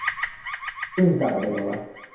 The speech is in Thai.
เครื่องจักรอัตโนมัติ